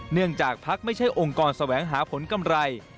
เนื่องจากภักดิ์ไม่ใช่องค์กรแสวงหาผลกำไร